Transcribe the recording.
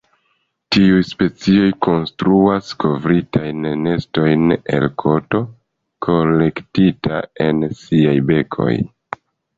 Tiuj specioj konstruas kovritajn nestojn el koto kolektita en siaj bekoj.